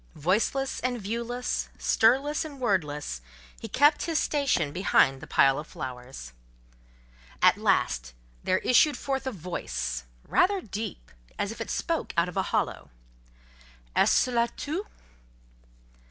Voiceless and viewless, stirless and wordless, he kept his station behind the pile of flowers. At last there issued forth a voice, rather deep, as if it spoke out of a hollow:— "Est ce là tout?"